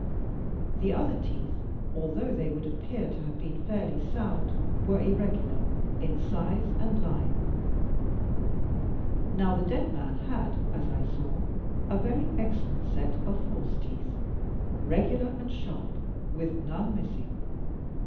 The other teeth, although they would appear to have been fairly soimd, were irregular in size and line. Now, the dead man had, as I saw, a very excellent set of false teeth, regular and sharp, with none missing.